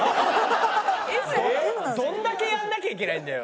どんだけやんなきゃいけないんだよ！